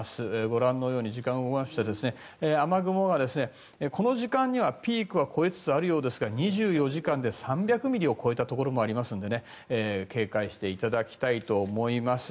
ご覧のように時間を動かして雨雲はこの時間にはピークは越えつつあるようですが２４時間で３００ミリを超えたところもありますので警戒していただきたいと思います。